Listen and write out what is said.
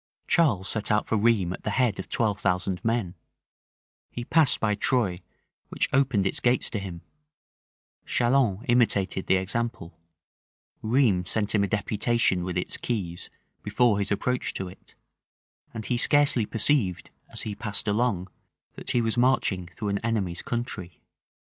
Charles set out for Rheims at the head of twelve thousand men: he passed by Troye, which opened its gates to him; Chalons imitated the example: Rheims sent him a deputation with its keys, before his approach to it: and he scarcely perceived, as he passed along, that he was marching through an enemy's country.